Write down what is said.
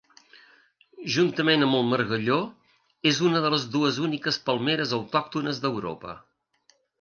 Juntament amb el margalló, és una de les dues úniques palmeres autòctones d'Europa.